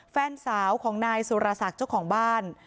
แฟนสาวของนายสุรศักดิ์เจ้าของบ้าน